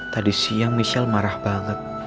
tadi siang michelle marah banget